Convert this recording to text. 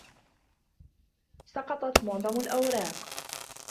سقطت معظم الأوراق.